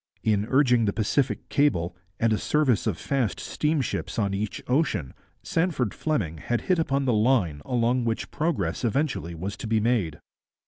In urging the Pacific cable and a service of fast steamships on each ocean, Sandford Fleming had hit upon the line along which progress eventually was to be made.